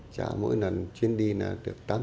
trả mỗi lần chuyến đi là được tám triệu đồng